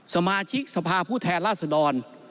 สมาชิกสภาพผู้แทนราษดร